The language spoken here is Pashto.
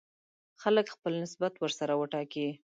خلک خپل نسبت ورسره وټاکي.